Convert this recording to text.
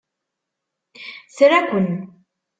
Tra-ken!